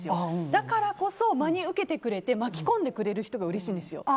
だからこそ真に受けてくれて巻き込んでくれる人がうれしいんですよ。